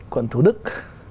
quận thủ đức